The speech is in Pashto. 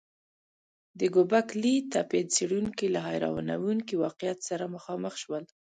د ګوبک لي تپې څېړونکي له حیرانوونکي واقعیت سره مخامخ شول.